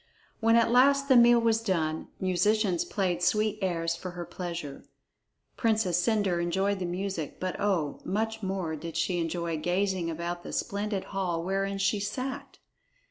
When at last the meal was done, musicians played sweet airs for her pleasure. Princess Cendre enjoyed the music, but oh, much more did she enjoy gazing about the splendid hall wherein she sat!